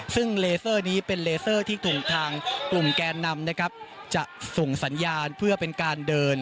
ซึ่งเลเซอร์นี้เป็นเลเซอร์ที่ถูกทางกลุ่มแกนนำนะครับจะส่งสัญญาณเพื่อเป็นการเดิน